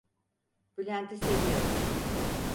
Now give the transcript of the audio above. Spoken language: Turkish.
Bülent'i seviyorum…